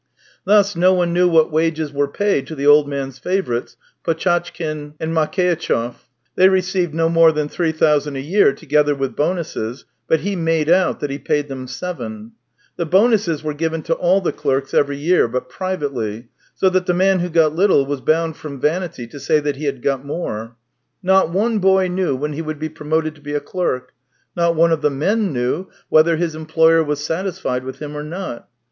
Thus, no one knew what wages were paid to the old man's favourites, Potchatkin and Makeitchev. They received no more than three thousand a year, together with bonuses, but he made out that he paid them seven. The bonuses were given to all the clerks every year, but privately, so that the man who got little was bound from vanity to say he had got more. Not one boy knew when he would be promoted to be a clerk; not one of the men knew whether his employer was satisfied with him or not.